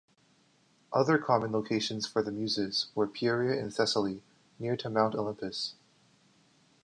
Other common locations for the Muses were Pieria in Thessaly, near to Mount Olympus.